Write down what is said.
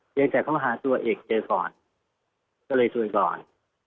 เพียงแต่เค้าหาตัวเอกเจอก่อนก็เลยตัวก่อน